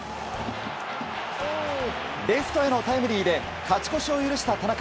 レフトへのタイムリーで勝ち越しを許した田中。